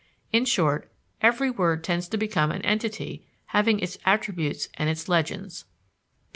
In short, every word tends to become an entity having its attributes and its legends.